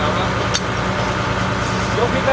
ไม่ค่อยไม่ค่อย